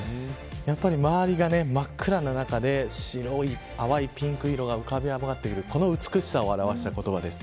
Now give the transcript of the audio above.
やはり周りが真っ暗な中で白い淡いピンク色が浮かび上がっているこの美しさを表した言葉です。